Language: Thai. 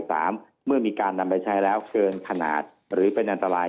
เมื่อมีการนำไปใช้แล้วเกินขนาดหรือเป็นอันตราย